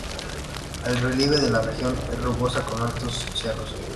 El relieve de la región es rugoso con altos cerros.